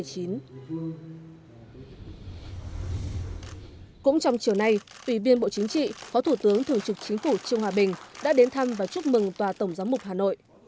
cũng trong chiều nay ủy viên bộ chính trị phó thủ tướng thường trực chính phủ trương hòa bình đã đến thăm và chúc mừng tòa tổng giám mục hà nội